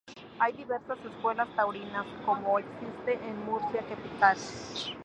Hay diversas escuelas taurinas, como la existente en Murcia capital.